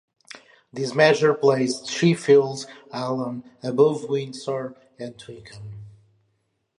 This measure placed Sheffield Hallam above Windsor and Twickenham.